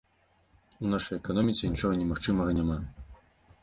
У нашай эканоміцы нічога немагчымага няма.